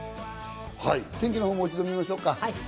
天気をもう一度見ましょうか。